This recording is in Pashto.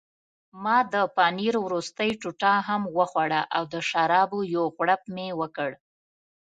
ما د پنیر وروستۍ ټوټه هم وخوړه او د شرابو یو غوړپ مې وکړ.